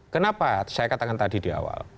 kenapa saya katakan tadi di awal